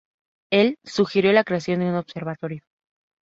Él sugirió la creación de un observatorio.